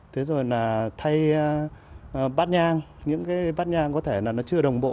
thế rồi là thay bát nhang những cái bát nhang có thể là nó chưa đồng bộ